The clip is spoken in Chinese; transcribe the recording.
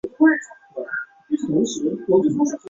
可用于攻击坦克装甲车辆及其它硬壁防御工事。